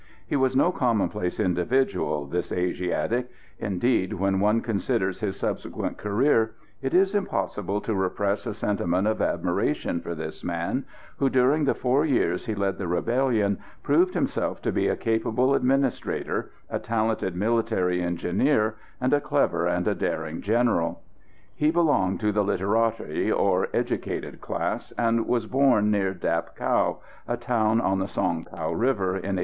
He was no commonplace individual, this Asiatic; indeed, when one considers his subsequent career, it is impossible to repress a sentiment of admiration for this man, who, during the four years he led the rebellion, proved himself to be a capable administrator, a talented military engineer, and a clever and a daring general. He belonged to the literati, or educated class, and was born near Dap Cau, a town on the Song Cau river, in 1836.